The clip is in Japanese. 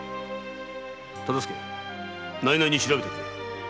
大岡内々に調べてくれ。